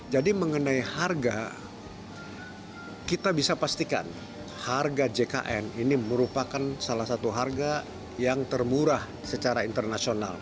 jadi mengenai harga kita bisa pastikan harga jkn ini merupakan salah satu harga yang termurah secara internasional